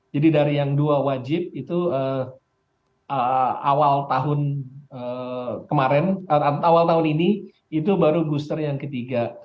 jadi dari yang dua wajib itu awal tahun kemarin awal tahun ini itu baru booster yang ketiga